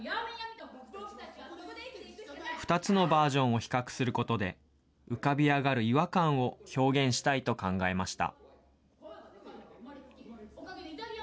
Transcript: ２つのバージョンを比較することで、浮かび上がる違和感を表現したいと考えました。